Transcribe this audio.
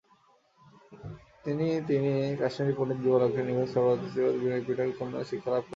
তিনি তিনি কাশ্মীরি পণ্ডিত বিমলাক্ষের নিকট সর্বাস্তিবাদী বিনয়পিটক সম্বন্ধে শিক্ষা লাভ করেন।